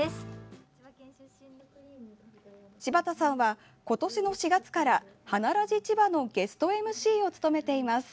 柴田さんは今年の４月から「花ラジちば」のゲストＭＣを務めています。